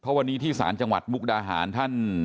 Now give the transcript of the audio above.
เพราะวันนี้ที่ศาลจังหวัดมุกดาหารท่าน